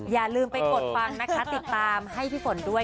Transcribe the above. อย่าลืมไปกดฟังนะคะติดตามให้พี่ฝนด้วย